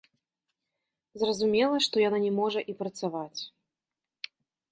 Зразумела, што яна не можа і працаваць.